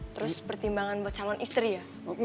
terus pertimbangan buat calon istri ya